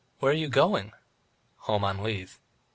"Where are you going?" "Home on leave."